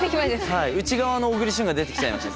内側の小栗旬が出てきちゃいました。